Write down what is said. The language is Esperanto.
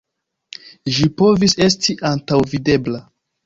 Ĝi povis esti antaŭvidebla.